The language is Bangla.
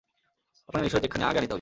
আপনাকে নিশ্চয়ই চেকখানি আগে আনিতে হইবে।